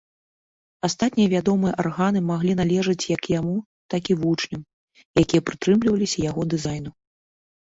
Астатнія вядомыя арганы маглі належаць як яму, так і вучням, якія прытрымліваліся яго дызайну.